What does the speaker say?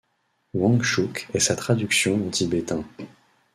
Wangchuk est sa traduction en tibétain.